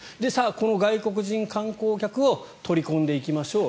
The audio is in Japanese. この外国人観光客を取り込んでいきましょうと。